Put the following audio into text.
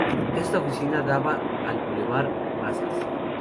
Esta oficina daba al Bulevar Mazas.